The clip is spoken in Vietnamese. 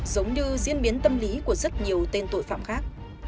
giống như diễn biến tâm lý của rất nhiều tên tội phạm khác